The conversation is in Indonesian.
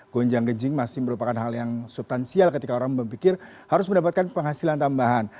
gonjang gejing masih merupakan hal yang subtansial ketika orang berpikir harus mendapatkan penghasilan tambahan